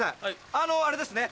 あのあれですね